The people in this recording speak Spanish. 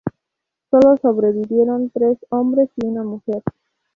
Sólo sobrevivieron tres hombres y una mujer.